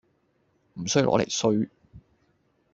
唔衰攞嚟衰